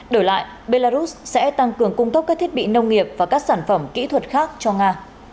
đổi lại belarus sẽ tăng cường cung cấp các thiết bị nông nghiệp và các sản phẩm kỹ thuật khác cho nga